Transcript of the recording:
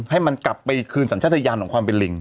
ให้มันกลับไปคืนสัญชาติยานของความเป็นลิง